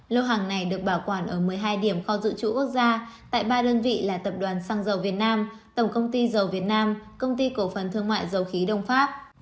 lô hàng này được bảo quản ở một mươi hai điểm kho dự trữ quốc gia tại ba đơn vị là tập đoàn xăng dầu việt nam tổng công ty dầu việt nam công ty cổ phần thương mại dầu khí đông pháp